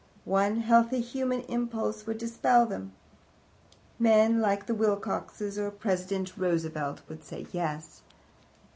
One healthy human impulse would dispel them? Men like the Wilcoxes, or President Roosevelt, would say yes.